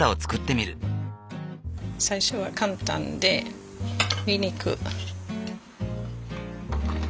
最初は簡単でにんにく。